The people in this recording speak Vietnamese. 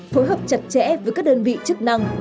phối hợp chặt chẽ với các đơn vị chức năng